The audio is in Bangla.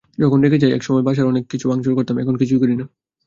যখন রেগে যাইএকসময় বাসার অনেক কিছু ভাঙচুর করতাম, এখন কিছুই করি না।